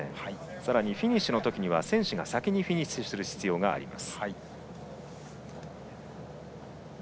さらにフィニッシュのときは選手が先にフィニッシュする必要があります。